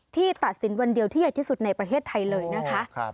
ตัดสินวันเดียวที่ใหญ่ที่สุดในประเทศไทยเลยนะคะ